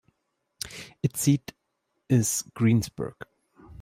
Its seat is Greensburg.